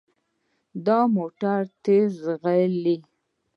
دا موټر تیز ځغلي.